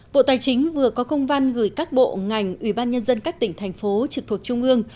bộ tài chính vừa có công văn gửi các bộ ngành ủy ban nhân dân các tỉnh thành phố trực thuộc trung ương